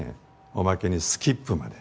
おまけにスキップまで。